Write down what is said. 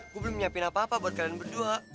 gue belum nyiapin apa apa buat kalian berdua